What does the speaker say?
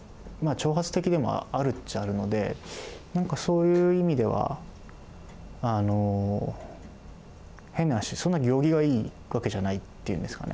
挑発的でもあるっちゃあるのでなんかそういう意味では変な話そんな行儀がいいわけじゃないっていうんですかね。